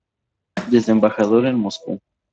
Desde Embajador en Moscú.